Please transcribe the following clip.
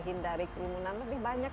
hindari kerumunan lebih banyak